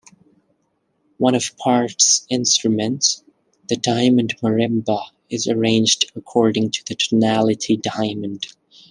One of Partch's instruments, the diamond marimba, is arranged according to the tonality diamond.